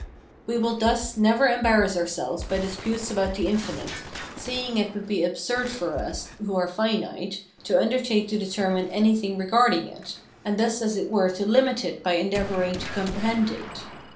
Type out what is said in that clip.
We will thus never embarrass ourselves by disputes about the infinite, seeing it would be absurd for us who are finite to undertake to determine anything regarding it, and thus as it were to limit it by endeavouring to comprehend it.